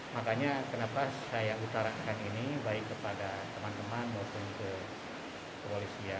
makanya kenapa saya utarakan ini baik kepada teman teman maupun kepolisian